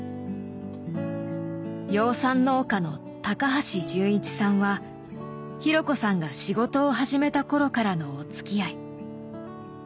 養蚕農家の高橋純一さんは紘子さんが仕事を始めた頃からのおつきあい。